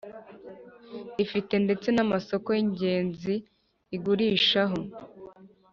Ifite ndetse n amasoko y ingenzi igurishaho